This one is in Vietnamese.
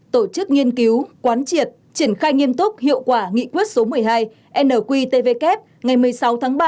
tổ chức nghiên cứu quán triệt triển khai nghiêm túc hiệu quả nghị quyết số một mươi hai nqtvk ngày một mươi sáu tháng ba